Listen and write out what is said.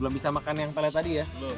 belum bisa makan yang pada tadi ya